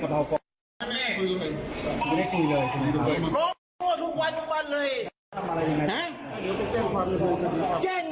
ใช่ครับ